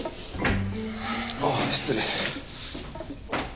あぁ失礼。